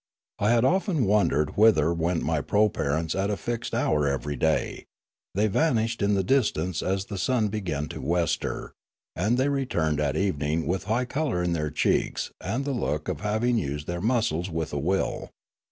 I had often wondered whither went my proparents at a fixed hour every day; they vanished in the distance as the sun began to wester, and they returned at evening with high colour in their cheeks and the look of having used their muscles with a will.